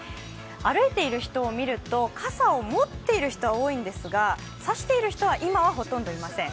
歩いている人を見ると傘を持っている人は多いんですが差している人は今はほとんどいません。